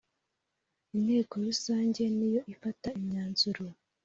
inteko rusange niyo ifata imyanzuro.